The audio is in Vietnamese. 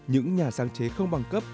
những nhà sáng chế không bằng cấp